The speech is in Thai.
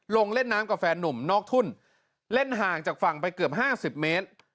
เล่นน้ำกับแฟนนุ่มนอกทุ่นเล่นห่างจากฝั่งไปเกือบ๕๐เมตร